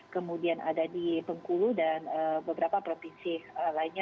kemudian ada di bengkulu dan beberapa provinsi lainnya